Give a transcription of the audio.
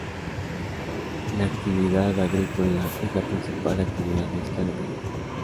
La actividad agrícola es la principal actividad de esta localidad.